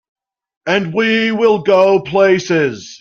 And will we go places!